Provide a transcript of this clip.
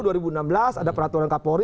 dulu dua ribu enam belas ada peraturan kapolri